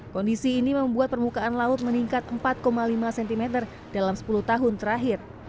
kondisi ini membuat permukaan laut meningkat empat lima cm dalam sepuluh tahun terakhir